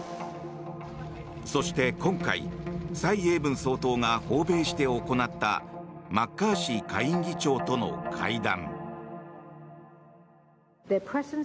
そして、今回蔡英文総統が訪米して行ったマッカーシー下院議長との会談。